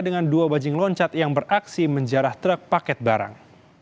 dengan dua bajing loncat yang beraksi menjarah truk paket barang